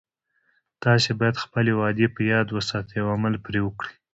تاسې باید خپلې وعدې په یاد وساتئ او عمل پری وکړئ